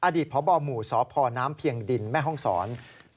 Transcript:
อดีตพบหมู่สพน้ำเพียงดินแม่ห้องศร